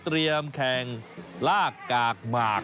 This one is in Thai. เตรียมแข่งลากกากบาก